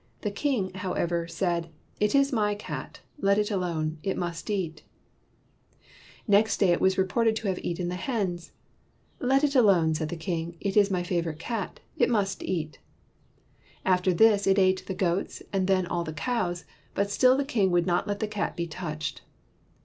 The king, however, said, ' It is my cat, let it alone ; it must eat. ' 150 MUTESA AND MOHAMMEDANS Next day it was reported to have eaten the hens. 'Let it alone,' said the king, 'it is my favorite cat ; it must eat. ' After this it ate the goats, and then all the cows; but still the king would not let the cat be touched.